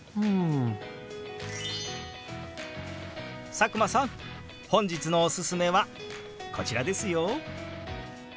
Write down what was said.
佐久間さん本日のおすすめはこちらですよ。